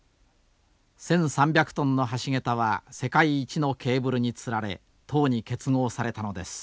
１，３００トンの橋桁は世界一のケーブルにつられ塔に結合されたのです。